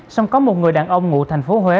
xong có một người đàn ông ngụ thành phố huế